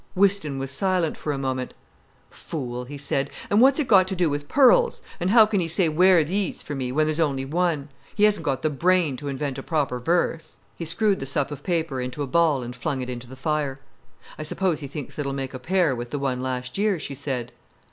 Whiston was silent for a moment. "Fool!" he said. "An' what's it got to do with pearls?—and how can he say 'wear these for me' when there's only one? He hasn't got the brain to invent a proper verse." He screwed the sup of paper into a ball and flung it into the fire. "I suppose he thinks it'll make a pair with the one last year," she said.